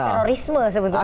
atau terorisme sebetulnya